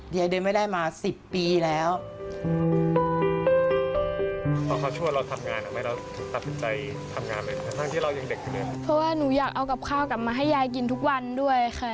เพราะว่าหนูอยากเอากับข้าวกลับมาให้ยายกินทุกวันด้วยค่ะ